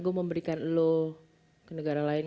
gue memberikan lo ke negara lain